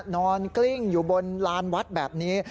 กลิ้งอยู่บนลานวัดแบบนี้